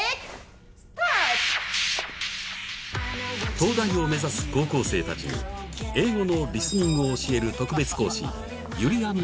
東大を目指す高校生達に英語のリスニングを教える特別講師由利杏奈